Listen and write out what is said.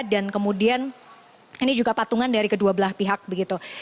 dan kemudian ini juga patungan dari kedua belah pihak begitu